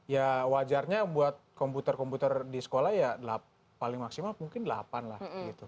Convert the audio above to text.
ya wajarnya buat komputer komputer di sekolah ya paling maksimal mungkin delapan lah gitu